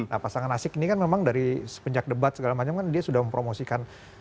nah pasangan asik ini kan memang dari sepenjak debat segala macam kan dia sudah mempromosikan